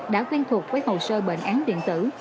đã quen thuộc với hồ sơ bệnh án điện tử